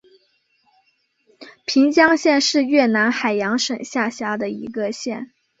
平江县是越南海阳省下辖的一个县。